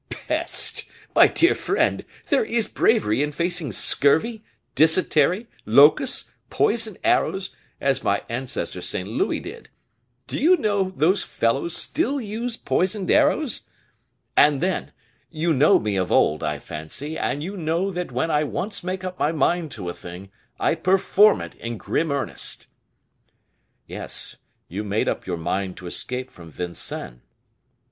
"Peste! my dear friend, there is bravery in facing scurvy, dysentery, locusts, poisoned arrows, as my ancestor St. Louis did. Do you know those fellows still use poisoned arrows? And then, you know me of old, I fancy, and you know that when I once make up my mind to a thing, I perform it in grim earnest." "Yes, you made up your mind to escape from Vincennes."